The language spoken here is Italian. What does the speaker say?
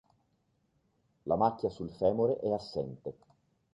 La macchia sul femore è assente.